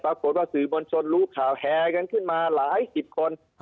บอกว่าสื่อบนชนรู้ข่าวแห่กันขึ้นมาหลายสิบคน